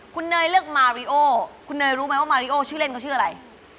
คุณเนยเลือกมาริโอคุณเนยรู้ไหมว่ามาริโอชื่อเล่นเขาชื่ออะไร